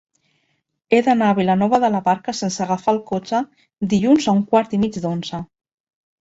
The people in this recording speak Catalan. He d'anar a Vilanova de la Barca sense agafar el cotxe dilluns a un quart i mig d'onze.